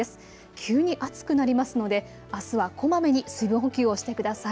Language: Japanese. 急に暑くなりますので、あすはこまめに水分補給をしてください。